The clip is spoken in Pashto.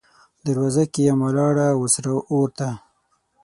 دروازه کې یم ولاړه، وه سره اور ته